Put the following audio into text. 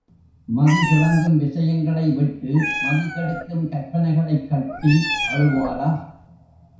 மதி துலங்கும் விஷயங்களை விட்டு, மதி கெடுக்கும் கற்பனைகளைக் கட்டி அழுவாரா?